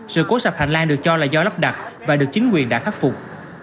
sự cố sập hành lang được cho là do lắp đặt và được chính quyền đã khắc phục